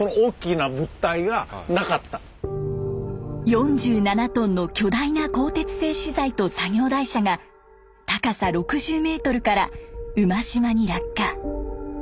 ４７トンの巨大な鋼鉄製資材と作業台車が高さ６０メートルから馬島に落下。